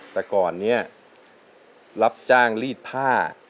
แต่ก่อนนี้รับจ้างรีดผ้า